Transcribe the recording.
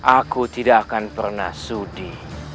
aku tidak akan pernah sudi